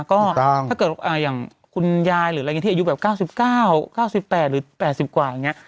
ก็ถ้าเกิดอย่างคุณยายที่อายุแบบ๙๙๙๘หรือ๘๐กว่าอย่างนี้